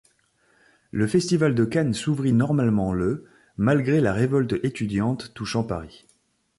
Le festival de Cannes s'ouvrit normalement le malgré la révolte étudiante touchant Paris.